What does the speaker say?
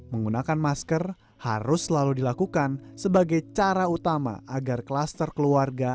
menggunakan masker harus selalu dilakukan sebagai cara utama agar klaster keluarga